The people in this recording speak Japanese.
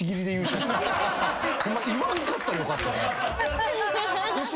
言わんかったらよかった。